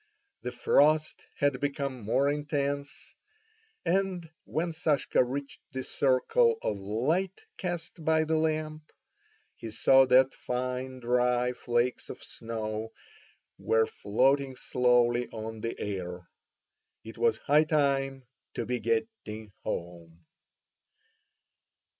The frost had become more intense, and when Sashka reached the circle of light cast by the lamp, he saw that fine dry flakes of snow were floating slowly on the air. It was high time to be getting home.